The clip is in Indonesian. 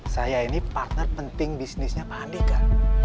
saya ini partner penting bisnisnya pak andika